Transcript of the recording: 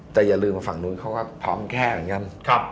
แต่อย่าลืมว่าฝั่งนู้นเขาก็พร้อมแค่เหมือนกัน